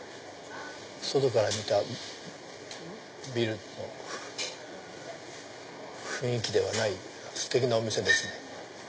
外から見たビルの雰囲気ではないステキなお店ですね。